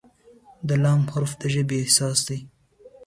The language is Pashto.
د "ل" حرف د ژبې اساس دی.